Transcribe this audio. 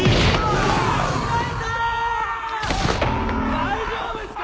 大丈夫っすか？